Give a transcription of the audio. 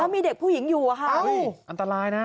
แล้วมีเด็กผู้หญิงอยู่อ่ะค่ะ